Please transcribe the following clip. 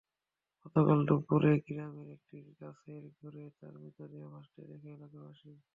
গতকাল দুপুরে গ্রামের একটি মাছের ঘেরে তার মৃতদেহ ভাসতে দেখে এলাকাবাসী।